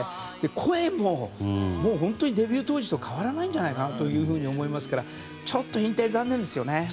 声も本当にデビュー当時と変わらないんじゃないかと思いますからちょっと引退は残念ですよね。